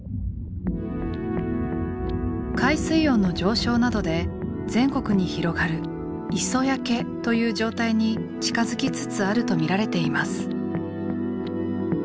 海水温の上昇などで全国に広がる「磯焼け」という状態に近づきつつあるとみられています。